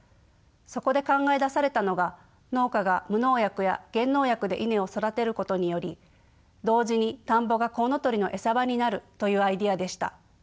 そこで考え出されたのが農家が無農薬や減農薬でイネを育てることにより同時に田んぼがコウノトリの餌場になるというアイデアでした。